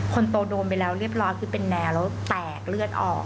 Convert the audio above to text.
คนโตโดนไปแล้วเรียบร้อยคือเป็นแนวแล้วแตกเลือดออก